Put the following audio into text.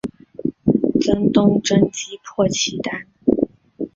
曾东征击破契丹。